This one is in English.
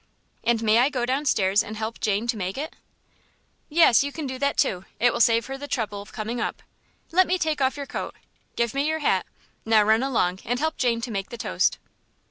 "And may I go downstairs and help Jane to make it?" "Yes, you can do that too; it will save her the trouble of coming up. Let me take off your coat give me your hat; now run along, and help Jane to make the toast."